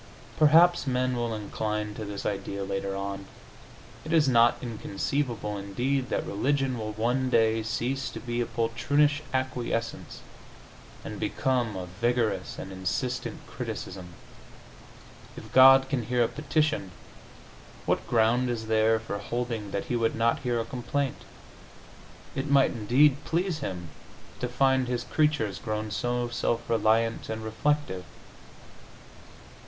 Perhaps men will incline to this idea later on. It is not inconceivable, indeed, that religion will one day cease to be a poltroonish acquiescence and become a vigorous and insistent criticism. If God can hear a petition, what ground is there for holding that He would not hear a complaint? It might, indeed, please Him to find His creatures grown so self reliant and reflective.